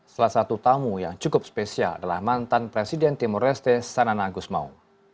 salah satu tamu yang cukup spesial adalah mantan presiden timur leste sanana agus mau